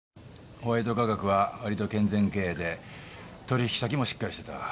ホワイト化学は割と健全経営で取引先もしっかりしてた。